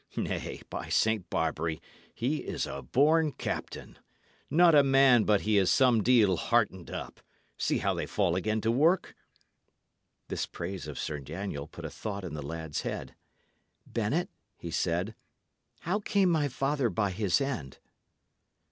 Nay, by Saint Barbary, he is a born captain! Not a man but he is some deal heartened up! See how they fall again to work." This praise of Sir Daniel put a thought in the lad's head. "Bennet," he said, "how came my father by his end?"